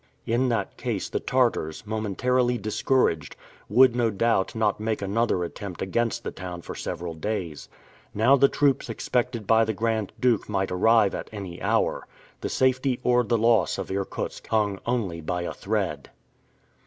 In that case the Tartars, momentarily discouraged, would no doubt not make another attempt against the town for several days. Now the troops expected by the Grand Duke might arrive at any hour. The safety or the loss of Irkutsk hung only by a thread.